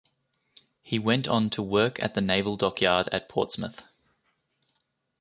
He went on to work at the Naval Dockyard at Portsmouth.